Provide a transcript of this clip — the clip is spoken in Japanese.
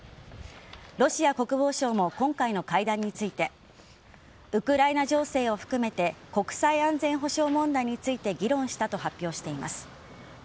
ロシア国防省も今回の会談についてウクライナ情勢を含めて国際安全保障問題について議論したと発表しています。